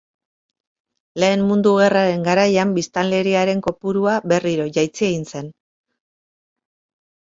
Lehen Mundu Gerraren garaian, biztanleriaren kopurua berriro jaitsi egin zen.